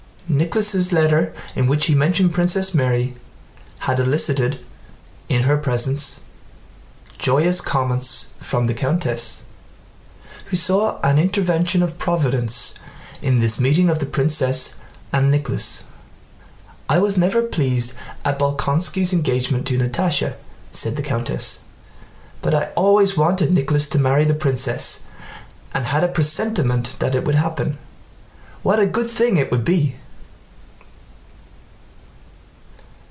Nicholas' letter in which he mentioned Princess Mary had elicited, in her presence, joyous comments from the countess, who saw an intervention of Providence in this meeting of the princess and Nicholas. "I was never pleased at Bolkónski's engagement to Natásha," said the countess, "but I always wanted Nicholas to marry the princess, and had a presentiment that it would happen. What a good thing it would be!"